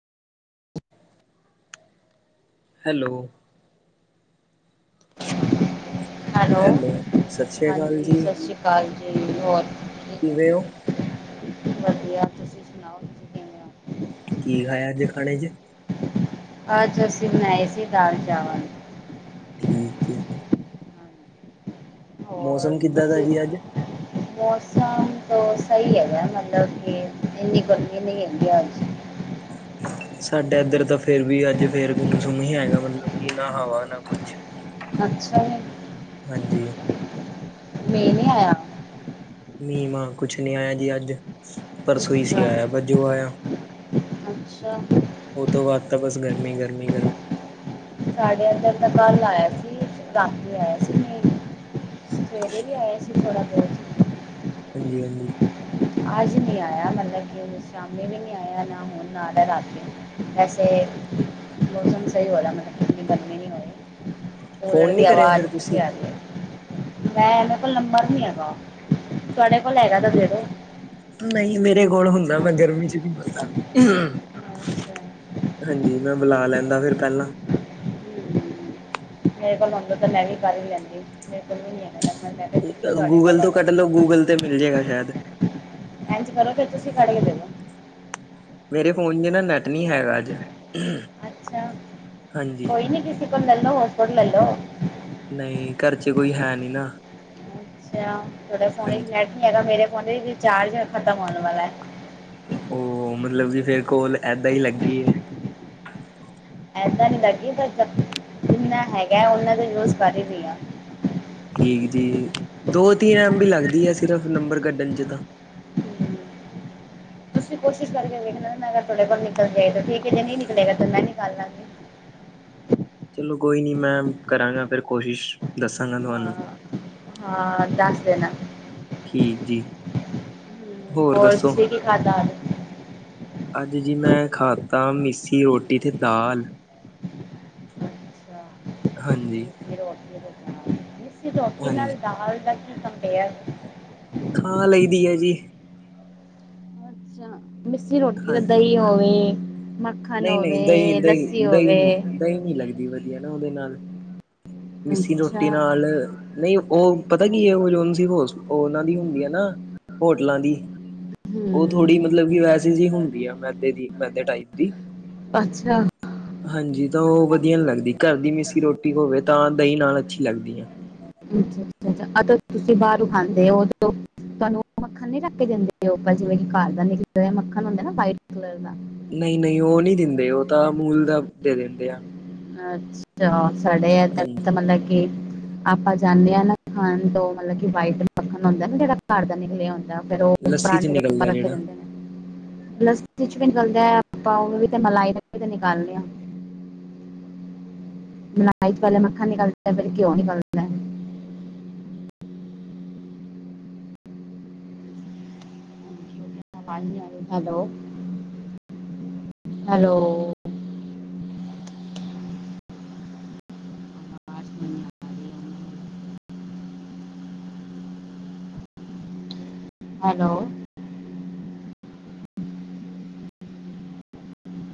Hello hello ਸਤਿ ਸ੍ਰੀ ਅਕਾਲ ਹਾਂਜੀ ਜੀ, ਸਸ ਸ੍ਰੀ ਕਾਲ ਜੀ, ਹੋਰ ਕਿਵੇਂ ਹੋ? ਵਧੀਆ ਤੁਸੀ ਕੀ ਖਾਇਆ ਅੱਜ ਖਾਣੇ ਚ? ਅੱਜ ਅਸੀ ਬਨਾਏ ਸੀ ਦਾਲ ਚਾਵਲ। ਠੀਕ ਜੀ। ਹੋਰ ਮੌਸਮ ਕਿੱਦਾਂ ਦਾ ਹੈ ਤੁਸੀਂ ਜੀ ਅੱਜ? ਮੌਸਮ ਤਾਂ ਸਹੀ ਹੈਗਾ ਮਤਲਬ ਕਿ ਇੰਨੀ ਗਰਮੀ ਨੀ ਹੈਗੀ ਅੱਜ। ਹੂੰ! ਸਾਡੇ ਇੱਧਰ ਤਾਂ ਫੇਰ ਵੀ ਅੱਜ ਫੇਰ ਵੀ ਮੌਸਮ ਇਵੇਂ ਹੀ ਹੈਗਾ ਮਤਲਬ ਕੀ ਨਾ ਹਵਾ ਨਾ ਕੁਛ। ਅੱਛਾ ਹਾਂਜੀ ਮੀ ਨੀ ਆਇਆ। ਮੀ ਮਾਂ ਕੁਝ ਨੀ ਆਇਆ ਜੀ ਅੱਜ ਪਰਸੋਂ ਹੀ ਸੀ ਅੱਛਾ ਆਯਾ ਜੋ ਆਯਾ। ਅੱਛਾ ਉਸ ਤੋਂ ਬਾਦ ਤਾ ਬਸ ਗਰਮੀ-ਗਰਮੀ, ਗਰਮੀ। ਸਾਡੇ ਇੱਧਰ ਤਾਂ ਕੱਲ੍ਹ ਆਯਾ ਸੀ ਰਾਤੀ ਆਇਆ ਸੀ ਮੀਂਹ। ਸਵੇਰੇ ਵੀ ਥੋੜ੍ਹਾ ਜਿਹਾ। ਹਾਂਜੀ-ਹਾਂਜੀ ਅੱਜ ਨੀ ਆਯਾ ਮਤਲਬ ਕੀ ਸ਼ਾਮੀ ਵੀ ਨਹੀਂ ਆਇਆ ਨਾ ਹੁਣ ਆ ਰਿਹਾ ਰਾਤੀ ਵੈਸੇ ਮੌਸਮ ਸਹੀ ਹੋ ਰਹਾ ਮਤਲਬ ਕਿ ਇੰਨੀ ਗਰਮੀ ਨਈ ਹੋਈ। ਕੂਲਰ ਫੋਨ ਨੀ ਦੀ ਕਰਿਆ ਹਵਾ ਫਿਰ ਅੱਛੀ ਤੁਸੀਂ? ਆ ਰਹੀ ਹੈ। ਮੈਂ ਮੇ ਕੋਲ ਨੰਬਰ ਨੀ ਹੈਗਾ ਤੁਹਾਡੇ ਕੋਲ ਹੈਗਾ ਤਾਂ ਦੇਦੋ। ਤੂੰ ਨਹੀ ਮੇਰੇ ਕੋਲ ਹੁੰਦਾ ਮੈਂ ਗਰਮੀ ਵਿੱਚ ਕਿਉਂ ਮਰਦਾ? ਅੱਛਾ ਹਾਂਜੀ, ਮੈਂ ਮਿਲਾ ਲੈਣਾ ਫੇਰ ਪਹਿਲਾਂ। ਹਮ, ਮੇਰੇ ਕੋਲ ਹੁੰਦਾ ਤਾਂ ਮੈਂ ਵੀ ਕਰ ਹੀ ਲੈਂਦੀ ਮੇਰੇ ਕੋਲ ਵੀ ਨੀ ਹੈਗਾ ਨੰਬਰ ਮੈ ਗੂਗਲ ਤੇ ਤੋਂ ਕੱਢ ਲਓ ਗੂਗਲ ਤੇ ਮਿਲ ਜਾਏਗਾ ਸ਼ਾਇਦ। ਇੰਝ ਕਰੋ, ਫਿਰ ਤੁਸੀਂ ਕੱਢ ਕੇ ਦੇ ਦਿਓ। ਮੇਰੇ ਫੋਨ ਚ ਨਾ ਨੈੱਟ ਨੀ ਹੈਗਾ ਅੱਜ ਹਾਂਜੀ। ਤਾਂ ਲੈ ਲਓ ਹੋਰ ਸਪੋਰਟ ਲੈ ਲਓ। ਨਹੀਂ, ਘਰ 'ਚ ਕੋਈ ਹੈ ਨੀ ਨਾ। ਅੱਛਾ, ਤੁਹਾਡੇ ਫ਼ੋਨ ਵਿੱਚ ਹਾਂਜੀ ਨੈੱਟ ਹੈਗਾ, ਮੇਰੇ ਫ਼ੋਨ ਦੀ ਰਿਚਾਰਜ਼ ਖ਼ਤਮ ਹੋਣ ਵਾਲਾ ਐ। ਉਹ ਮਤਲਬ ਕਿ ਫਿਰ ਕੋਲ ਐਦਾ ਈ ਲੱਗੀ ਐ। ਇਦਾਂ ਨਹੀਂ ਲੱਗੀ ਪਰ, ਜਿੰਨਾ ਹੈਗਾ ਉਹਨਾ ਕੋ ਜੂਜ਼ ਕਰ ਲੈਂਨੀ ਆ। ਠੀਕ ਜੀ, ਦੋ-ਤੀਨ ਐਮ ਬੀ ਲਗਦੀ ਐ, ਸਿਰਫ਼ ਨੰਬਰ ਕੱਢਣ 'ਚ ਤਾਂ। ਹਮ, ਤੁਸੀਂ ਕੋਸ਼ਿਸ਼ ਕਰਕੇ ਵੇਖ ਲਓ, ਮੈ ਤੁਹਾਡੇ ਕੋਲੋਂ ਨਿਕਲ ਜਾਏ ਤਾਂ ਠੀਕ ਏ, ਨਹੀਂ ਨਿਕਲੇਗਾ ਤਾਂ ਮੈ ਨਿਕਾਲਾਗੀ। ਚਲੋ, ਕੋਈ ਨੀ ਮੈਮ ਕਰਾਂਗਾ ਫਿਰ ਕੋਸ਼ਿਸ਼, ਦੱਸਾਂਗਾ ਹਾਂ ਤੁਵਾਨੂੰ। ਹਾਂ ਦੱਸ ਦੇਣਾ। ਠੀਕ ਜੀ। ਹੋਰ ਔਰ ਦੱਸੋ ਤੁਸੀਂ ਕੀ ਖਾਦਾ ਅੱਜ? ਅੱਜ ਜੀ, ਮੈਂ ਖਾਤਾ ਮਿਸੀ ਰੋਟੀ ਤੇ ਦਾਲ। ਹਾਂਜੀ। ਮਿਸੀ ਰੋਟੀ ਹਾਂਜੀ ਨਾਲ ਦਾਲ ਦਾ ਕੀ ਕੰਬੇਅਰ। ਖਾ ਲਈ ਦੀ ਐ ਜੀ। ਅੱਛਾ, ਮਿੱਸੀ ਰੋਟੀ ਨਾਲ ਦਹੀਂ ਹੋਵੇ ਮ ਨਹੀਂ-ਨਹੀਂ ਦਹੀਂ-ਦਹੀਂ, ਦਹੀਂ-ਦਹੀਂ ਨੀ ਲੱਗਦੀ ਵਧੀਆ ਨਾ ਉਹਦੇ ਨਾਲ ਮਿਸੀ ਅੱਛਾ ਰੋਟੀ ਨਾਲ ਨਹੀਂ, ਉਹ ਪਤਾ ਕੀ ਏ, ਉਹ ਜੋ ਐਮ ਸੀ ਉਹਨਾਂ ਦੀ ਹੁੰਦੀ ਐ ਨਾ, ਹੋਟਲਾਂ ਦੀ ਉਹ ਥੋੜ੍ਹੀ ਹਮ ਮਤਲਬ ਕੀ ਵੈਸੇ ਜੀ ਹੁੰਦੀ ਐ, ਮੈਦੇ ਦੀ ਮੈਦੇ ਟਾਈਪ ਦੀ। ਅੱਛਾ। ਹਾਂ ਜੀ, ਤਾਂ ਉਹ ਵਧੀਆ ਨੀ ਲੱਗਦੀ। ਘਰ ਦੀ ਮਿਸੀ ਰੋਟੀ ਹੋਵੇ ਤਾਂ ਦਹੀਂ ਨਾਲ ਅੱਛੀ ਲੱਗਦੀ ਐ। ਅੱਛਾ-ਅੱਛਾ। ਅਤੇ ਤੁਸੀਂ ਬਾਹਰੋਂ ਖਾਂਦੇ ਓ ਤੁਹਾਨੂੰ ਉਹ ਮੱਖਣ ਨੀ ਰੱਖ ਕੇ ਦਿੰਦੇ, ਜਿਵੇਂ ਕੀ ਘਰ ਦਾ ਨਿਕਲਿਆ ਹੋਇਆ ਦਾ ਮੱਖਣ ਹੁੰਦਾ ਏ ਨਾ, ਵਾਈਟ ਕਲਰ ਦਾ। ਨਹੀਂ-ਨਹੀਂ ਉਹ ਨਹੀਂ ਦਿੰਦੇ, ਉਹ ਤਾਂ ਅਮੂਲ ਦਾ ਦੇ ਦਿੰਦੇ ਆ। ਅੱਛਾ, ਸਾਡੇ ਇਧਰ ਹਾਂਜੀ ਤਾਂ ਮਤਲਬ ਕਿ ਆਪਾਂ ਜਾਂਨੇ ਆ ਨਾ ਖਾਣ, ਤੋਂ ਮਤਲਬ ਕਿ ਵਾਈਟ ਮੱਖਣ ਹੁੰਦਾ ਨਾ ਜਿਹੜਾ ਘਰ ਦਾ ਨਿਕਲਿਆ ਹੁੰਦੈ ਫੇਰ ਉਹ ਲੱਸੀ ਚ ਪਰਾਂਠੇ ਦੇ ਉਪਰ ਨਿਕਲਦਾ ਰੱਖ ਕੇ ਜਿਹੜਾ ਦੇਂਦੇ ਨੇ। ਲਸਣ 'ਚ ਵੀ ਨਿਕਲਦਾ, ਆਪਾਂ ਉਹ ਵੀ ਤੇ ਮਲਾਈ ਦਾ ਨਿਕਾਲਦੇ ਆ। [inaudible] ਮਲਾਈ ਵਾਲਾ ਮੱਖਣ ਨਿਕਲਦੈ, ਫਿਰ ਘਿਉ ਨਿਕਲਦੈ। [inaudible] ਹਾਂਜੀ, ਹੈਲੋ-ਹੈਲੋ। ਹੈਲੋ।